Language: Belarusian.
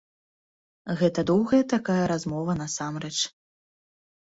Гэта доўгая такая размова насамрэч.